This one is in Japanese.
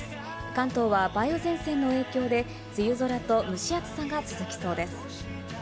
関東は梅雨前線の影響で梅雨空と、蒸し暑さが続きそうです。